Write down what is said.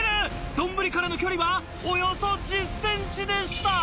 丼からの距離はおよそ１０ｃｍでした。